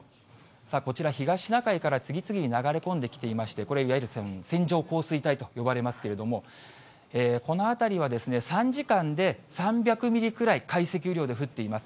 さあ、こちら東シナ海から次々に流れ込んできていまして、これ、いわゆる線状降水帯と呼ばれますけれども、この辺りは、３時間で３００ミリぐらい解析雨量で降っています。